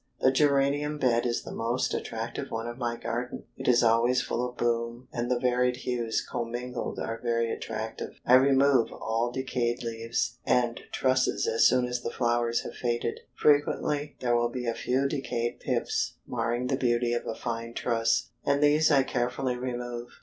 The geranium bed is the most attractive one of my garden. It is always full of bloom, and the varied hues commingled are very attractive. I remove all decayed leaves, and the trusses as soon as the flowers have faded. Frequently there will be a few decayed pips marring the beauty of a fine truss, and these I carefully remove.